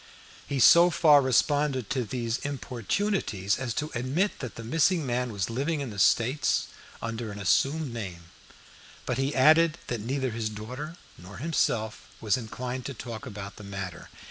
He so far responded to these importunities as to admit that the missing man was living in the States under an assumed name, but he added that neither his daughter nor himself was inclined to talk about the matter.